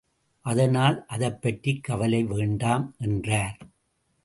அதனால் அதைப்பற்றிக் கவலை வேண்டாம். என்றார்.